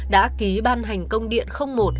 đã ký ban hành công điện một